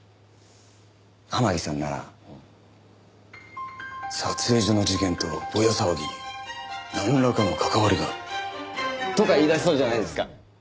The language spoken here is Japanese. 天樹さんなら「撮影所の事件とぼや騒ぎになんらかの関わりが」とか言い出しそうじゃないですか？